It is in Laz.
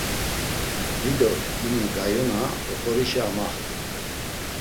Dido ini gayuna oxorişe amaxti.